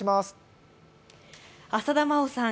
浅田真央さん